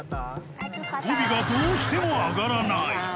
語尾がどうしても上がらない。